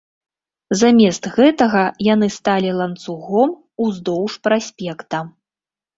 Замест гэтага яны сталі ланцугом уздоўж праспекта.